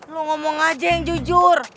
lo ngomong aja yang jujur